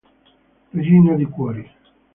Regina di cuori